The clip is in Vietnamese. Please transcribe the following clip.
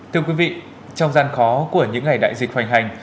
thưa quý vị trong gian khó của những ngày đại dịch hoành hành